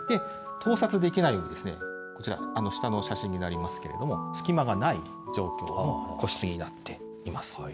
盗撮できないようにこちら、下の写真になりますけれども、隙間がない状況の個室になっています。